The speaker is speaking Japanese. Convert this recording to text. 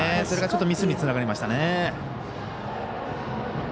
それがちょっとミスにつながりましたね。